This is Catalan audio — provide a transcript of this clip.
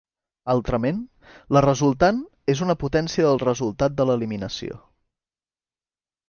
Altrament, la resultant és una potència del resultat de l'eliminació.